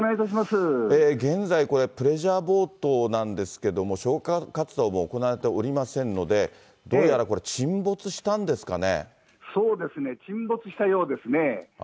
現在、プレジャーボートなんですけれども、消火活動も行われておりませんので、どうやらこれ、そうですね、沈没したようですね。